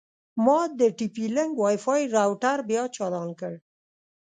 ما د ټي پي لینک وای فای روټر بیا چالان کړ.